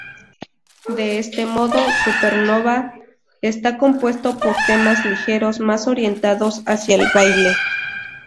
De este modo, "Supernova" está compuesto por temas ligeros más orientados hacia el baile.